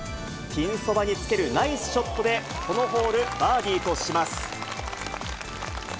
ピンそばにつけるナイスショットで、このホール、バーディーとします。